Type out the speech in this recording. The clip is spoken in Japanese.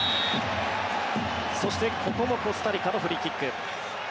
そしてここもコスタリカのフリーキック。